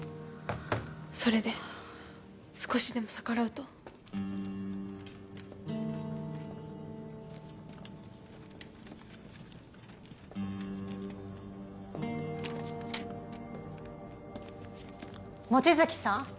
それで少しでも逆らうと望月さん